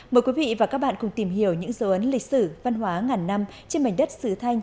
mời quý vị và các bạn cùng tìm hiểu những dấu ấn lịch sử văn hóa ngàn năm trên mảnh đất sứ thanh